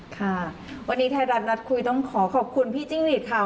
ค่ะวันนี้ไทยรัฐนัดคุยต้องขอขอบคุณพี่จิ้งหลีดค่ะ